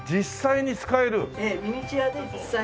ミニチュアで実際に。